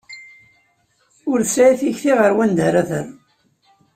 Ur tesɛi tikti ɣer wanida ara terr.